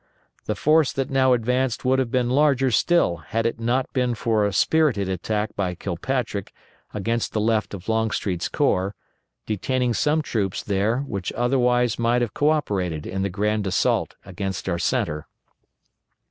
The force that now advanced would have been larger still had it not been for a spirited attack by Kilpatrick against the left of Longstreet's corps, detaining some troops there which otherwise might have co operated in the grand assault against our centre.